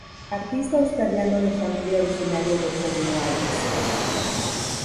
Artista australiano de familia originaria de Cornualles.